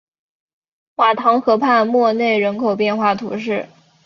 瓦唐河畔默内人口变化图示